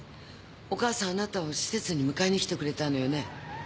お母さんあなたを施設に迎えに来てくれたのよね？